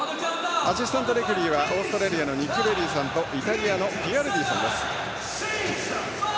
アシスタントレフリーはオーストラリアのニック・ベリーさんとイタリアのピアルディさんです。